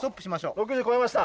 ６０超えました。